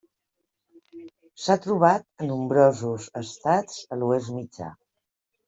S'ha trobat a nombrosos estats a l'Oest Mitjà.